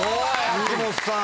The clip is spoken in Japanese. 秋元さん。